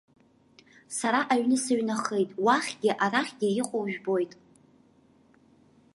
Сара аҩны сыҩнахеит, уахьгьы арахьгьы иҟоу жәбоит!